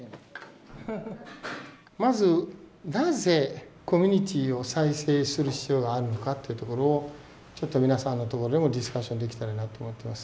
まずなぜコミュニティーを再生する必要があるのかっていうところを皆さんのところでもディスカッションできたらなと思ってます。